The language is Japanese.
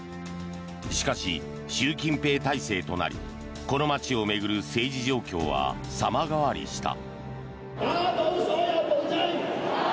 しかし、習近平体制となりこの街を巡る政治状況は様変わりした。